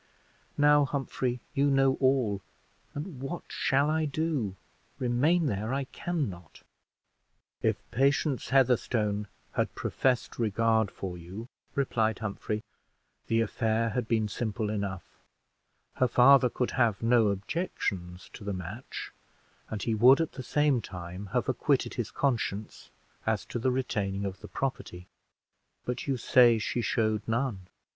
"Now, Humphrey, you know all; and what shall I do? remain there I can not!" "If Patience Heatherstone had professed regard for you," replied Humphrey, "the affair had been simple enough. Her father could have no objections to the match; and he would at the same time have acquitted his conscience as to the retaining of the property: but you say she showed none."